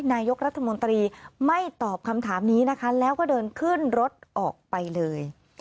นายกรัฐมนตรีไม่ตอบคำถามนี้นะคะแล้วก็เดินขึ้นรถออกไปเลย